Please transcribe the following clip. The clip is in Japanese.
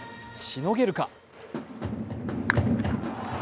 しのげるか？